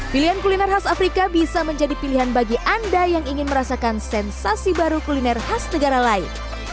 pilihan kuliner khas afrika bisa menjadi pilihan bagi anda yang ingin merasakan sensasi baru kuliner khas negara lain